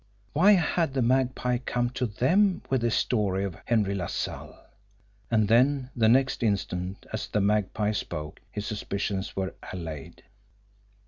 Why had the Magpie come to THEM with this story of Henry LaSalle? And then, the next instant, as the Magpie spoke, his suspicions were allayed.